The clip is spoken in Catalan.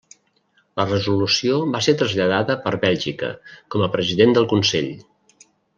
La resolució va ser traslladada per Bèlgica, com a president del Consell.